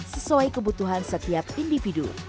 sesuai kebutuhan setiap individu